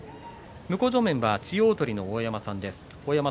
向正面は千代鳳の大山さんです。